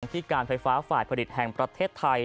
ที่การไฟฟ้าฝ่ายผลิตแห่งประเทศไทย